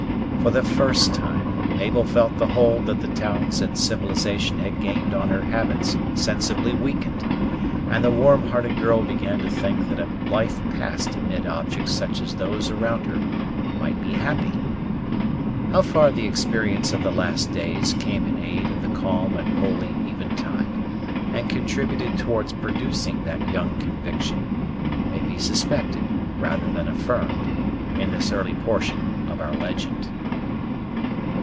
For the first time, Mabel felt the hold that the towns and civilization had gained on her habits sensibly weakened; and the warm hearted girl began to think that a life passed amid objects such as those around her might be happy. How far the experience of the last days came in aid of the calm and holy eventide, and contributed towards producing that young conviction, may be suspected, rather than affirmed, in this early portion of our legend.